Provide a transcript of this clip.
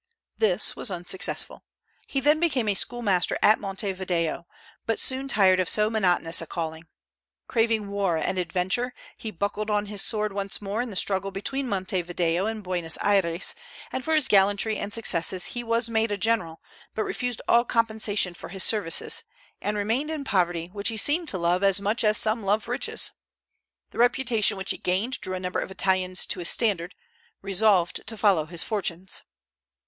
This was unsuccessful. He then became a schoolmaster at Montevideo, but soon tired of so monotonous a calling. Craving war and adventure, he buckled on his sword once more in the struggle between Montevideo and Buenos Ayres; and for his gallantry and successes he was made a general, but refused all compensation for his services, and remained in poverty, which he seemed to love as much as some love riches. The reputation which he gained drew a number of Italians to his standard, resolved to follow his fortunes.